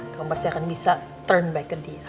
kamu pasti akan bisa turn back ke dia